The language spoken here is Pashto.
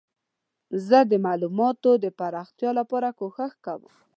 زه د معلوماتو د پراختیا لپاره کوښښ کوم.